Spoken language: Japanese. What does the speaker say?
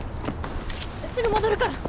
すぐ戻るから！